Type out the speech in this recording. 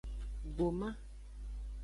Gboma.